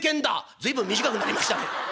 「随分短くなりましたね」。